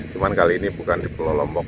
cuma kali ini bukan di pulau lombok